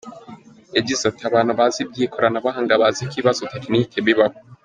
Yagize ati “Abantu bazi iby’ ikoranabuhanga bazi ko ibibazo tekinike bibaho.